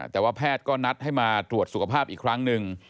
แต่ว่าแพทย์ก็นัดให้มาตรวจสุขภาพอีกครั้งหนึ่ง